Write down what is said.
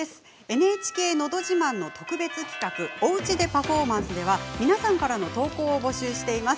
「ＮＨＫのど自慢」の特別企画「おうちでパフォーマンス」では皆さんからの投稿を募集しています。